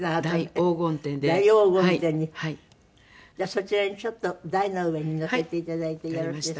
そちらにちょっと台の上に載せていただいてよろしいですか。